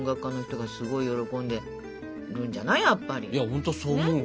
ほんとそう思うわ。